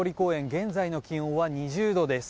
現在の気温は２０度です。